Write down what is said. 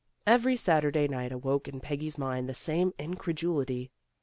Every Saturday night awoke in Peggy's mind the same in credulity.